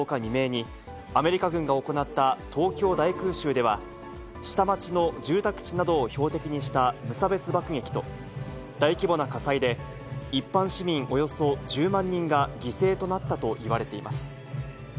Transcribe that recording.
未明に、アメリカ軍が行った東京大空襲では、下町の住宅地などを標的にした無差別爆撃と、大規模な火災で一般市民およそ１０万人が犠牲となったといわれています。